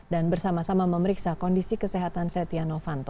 dan bersama sama memeriksa kondisi kesehatan setia novanto